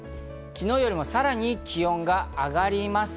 昨日よりもさらに気温が上がります。